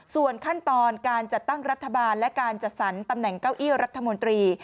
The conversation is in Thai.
ส่วนขั้นตอนการจัดตั้งรัฐบาลและการจัดสรรตำแหน่งเก้าอี้รัฐมนตรี